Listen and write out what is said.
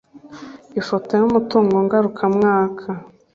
ifoto y umutongo ngarukamwaka